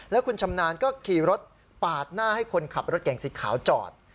แล้วคุณชำนาญก็ขี่รถปาดหน้าให้คนขับรถเก่งสีขาวจอด